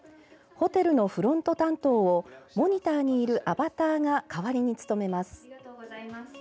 ホテルのフロント担当をモニターにいるアバターが代わりに務めます。